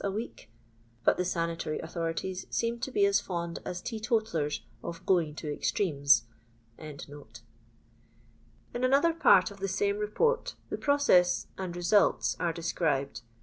a week) But the sanitary authorities seem to be as fond as teeto tallers of " going to extremes.] In another part of the same Report the process and results are described.